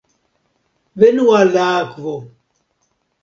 Venu al la akvo!